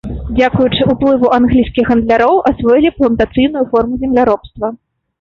Дзякуючы ўплыву англійскіх гандляроў асвоілі плантацыйную форму земляробства.